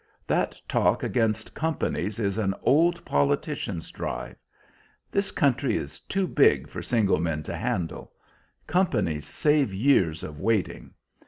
That talk against companies is an old politicians' drive. This country is too big for single men to handle; companies save years of waiting.